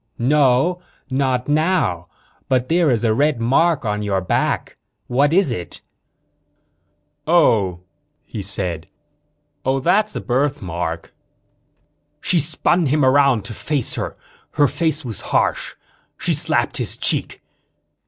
"No not now. But there is a red mark on your back. What is it?" "Oh," he said. "Oh that's a birthmark." She spun him around to face her. Her face was harsh. She slapped his cheek.